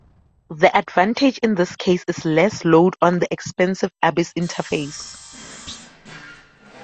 The advantage in this case is less load on the expensive Abis interface.